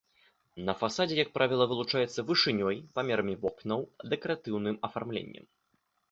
На фасадзе, як правіла, вылучаецца вышынёй, памерамі вокнаў, дэкаратыўным афармленнем.